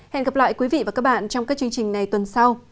hẹn gặp lại quý vị và các bạn trong các chương trình này tuần sau